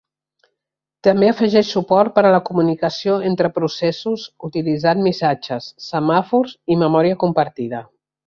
També afegeix suport per a la comunicació entre processos utilitzant missatges, semàfors, i memòria compartida.